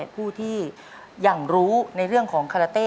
ผู้ที่ยังรู้ในเรื่องของคาราเต้